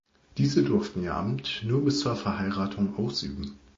Diese durften ihr Amt nur bis zur Verheiratung ausüben.